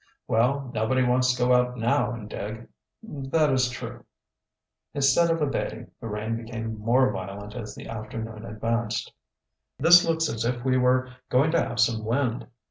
"Well, nobody wants to go out now and dig." "That is true." Instead of abating the rain became more violent as the afternoon advanced. "This looks as if we were going to have some wind."